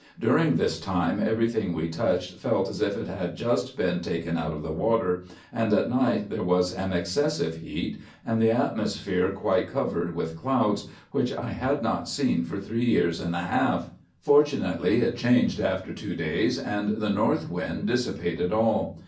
During this time, every thing we touched felt as if it had just been taken out of the water, and at night there was an excessive heat, and the atmosphere quite covered with clouds, which I had not seen for three years and a half: fortunately it changed after two days, and the north wind dissipated all.